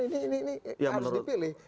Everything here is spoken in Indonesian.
ini harus dipilih